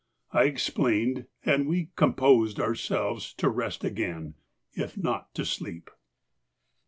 I explained, and we composed ourselves to rest again, if not to sleep.